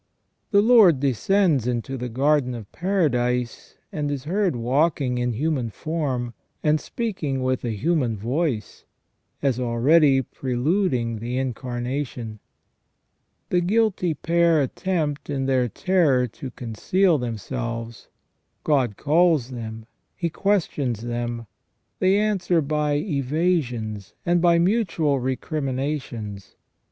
The Lord descends into the garden of paradise, and is heard walking in human form, and speaking with a human voice, as already preluding the Incarnation. The guilty pair attempt, in their terror, to conceal themselves. God calls them ; He questions them. They answer by evasions and by mutual recriminations.